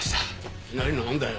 いきなりなんだよ？